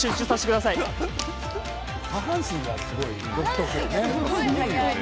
下半身がすごいね。